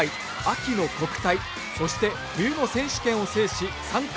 秋の国体そして冬の選手権を制し３冠を達成。